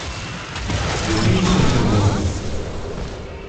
The Bees of the World.